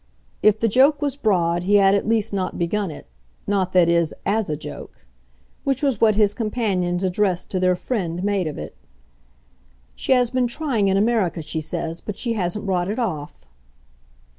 If the joke was broad he had at least not begun it not, that is, AS a joke; which was what his companion's address to their friend made of it. "She has been trying in America, she says, but hasn't brought it off."